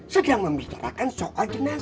sedang membicarakan soal jenazah